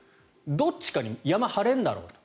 どっちかに山、張れるだろうと。